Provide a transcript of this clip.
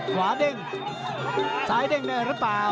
ขวาเด้งซ้ายเด้งได้หรือเปล่า